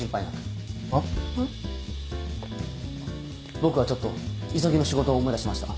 僕はちょっと急ぎの仕事を思い出しました。